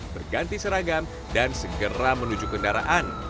berganti seragam dan segera menuju kendaraan